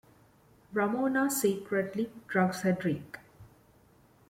Ramona secretly drugs her drink.